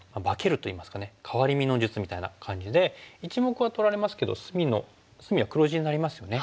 変わり身の術みたいな感じで１目は取られますけど隅は黒地になりますよね。